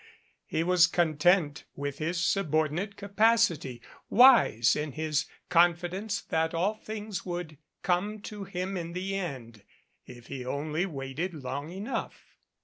He was content with his subordinate ca pacity, wise in his confidence that all things would come to him in the end, if he only waited long enough.